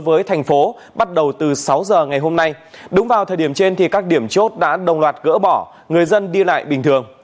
với thành phố bắt đầu từ sáu giờ ngày hôm nay đúng vào thời điểm trên thì các điểm chốt đã đồng loạt gỡ bỏ người dân đi lại bình thường